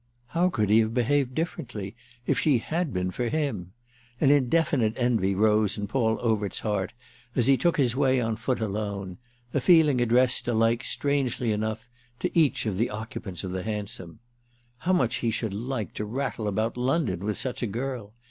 How could he have behaved differently if she had been for him? An indefinite envy rose in Paul Overt's heart as he took his way on foot alone; a feeling addressed alike strangely enough, to each of the occupants of the hansom. How much he should like to rattle about London with such a girl!